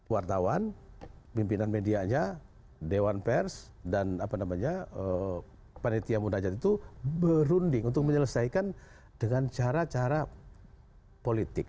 wartawan pimpinan medianya dewan pers dan panitia munajat itu berunding untuk menyelesaikan dengan cara cara politik